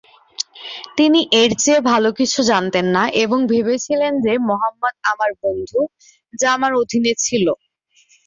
তিনি এর চেয়ে ভাল কিছু জানতেন না এবং ভেবেছিলেন যে মোহাম্মদ আমার বন্ধু, যা আমার অধীনে ছিল।